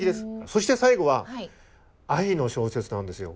そして最後は愛の小説なんですよ。